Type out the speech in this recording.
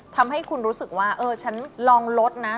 ทำให้คุณรู้สึกว่าเออฉันลองลดนะ